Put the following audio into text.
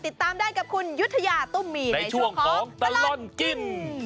ติดตามได้กับคุณยุธยาตุ้มมีในช่วงของตลอดกิน